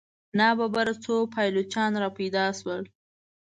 ناببره څو پایلوچان را پیدا شول.